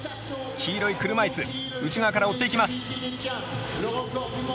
黄色い車いす内側から追っていきます。